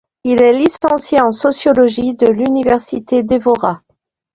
Il est licencié en sociologie de l'université d'Évora.